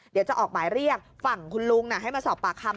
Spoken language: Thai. เดี๋ยวจะออกหมายเรียกฝั่งคุณลุงให้มาสอบปากคำ